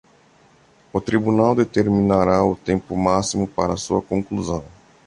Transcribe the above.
O tribunal determinará o tempo máximo para sua conclusão.